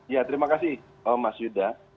ya terima kasih mas yuda